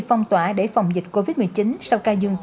phong tỏa để phòng dịch covid một mươi chín